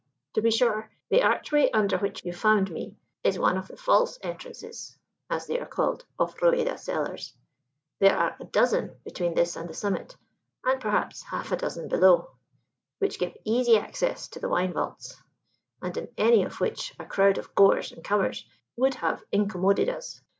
To be sure, the archway under which you found me is one of the 'false entrances,' as they are called, of Rueda cellars. There are a dozen between this and the summit, and perhaps half a dozen below, which give easy access to the wine vaults, and in any of which a crowd of goers and comers would have incommoded us.